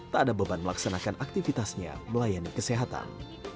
tak ada beban melaksanakan aktivitasnya melayani kesehatan